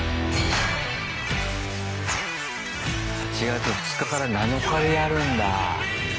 ８月２日から７日でやるんだ。